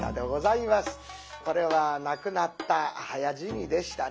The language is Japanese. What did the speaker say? これは亡くなった早死にでしたね